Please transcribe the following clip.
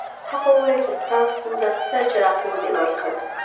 هغه وویل چې ستا ستونزه څه ده چې راپور دې ورکړ